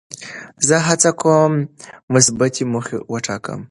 زه هڅه کوم مثبتې موخې وټاکم.